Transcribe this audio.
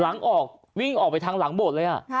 หลังออกวิ่งออกไปทางหลังโบสถ์เลย